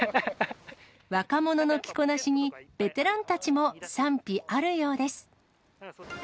若者の着こなしに、ベテランたちも賛否あるようです。